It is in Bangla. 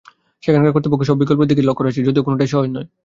সেখানকার কর্তৃপক্ষ সব বিকল্পের দিকেই লক্ষ্য রাখছে, যদিও কোনটাই সহজ নয়।